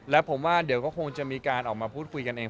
และผมว่าเดี๋ยวก็คงจะมีการออกมาพูดคุยกันเอง